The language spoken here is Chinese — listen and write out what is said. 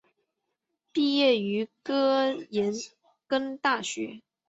毕业于哥廷根大学。